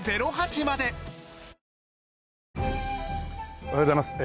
おはようございます。